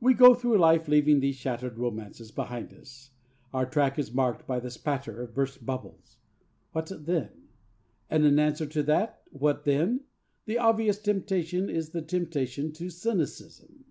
We go through life leaving these shattered romances behind us. Our track is marked by the spatter of burst bubbles. What then? And in answer to that 'What then?' the obvious temptation is the temptation to cynicism.